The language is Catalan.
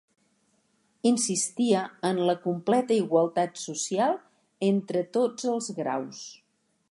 Insistia en la completa igualtat social entre tots els graus.